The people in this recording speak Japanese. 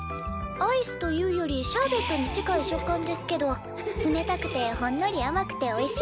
アイスというよりシャーベットに近い食感ですけど冷たくてほんのりあまくておいしいんですよ。